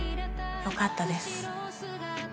よかったです